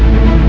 aku akan menang